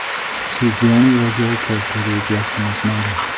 She is the only regular character to address him as Marty.